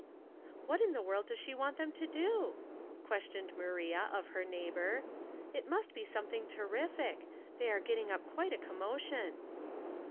'' What in the world does she want them to do ?" questioned Maria of her neighbor. " It must be something terrific ; they are get ting up quite a commotion."